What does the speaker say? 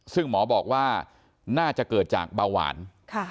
ซึ่งหมอบอกว่าน่าจะเกิดจากเบาหวาน